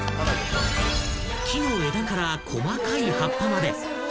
［木の枝から細かい葉っぱまで］